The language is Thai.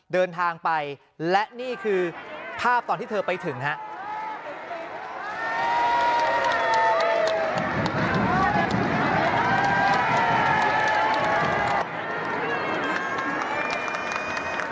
เดินทางไปและนี่คือภาพตอนที่เธอไปถึงครับ